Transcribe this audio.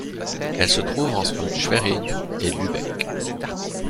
Elle se trouve entre Schwerin et Lübeck.